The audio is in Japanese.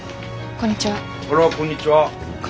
こんにちは。